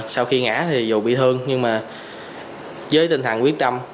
sau khi ngã thì dù bị thương nhưng mà với tinh thần quyết tâm